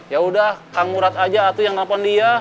yaudah kang murad aja atu yang nelfon dia